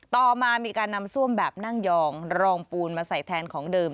ต่อมามีการนำซ่วมแบบนั่งยองรองปูนมาใส่แทนของเดิม